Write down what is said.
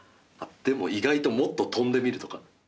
でも意外ともっと飛んでみるとか？